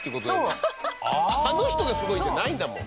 あの人がすごいんじゃないんだもん。